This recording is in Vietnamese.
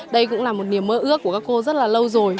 đây cũng là một niềm mơ ước của các cô rất là lâu rồi